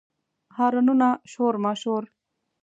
هارنونه، شور ماشور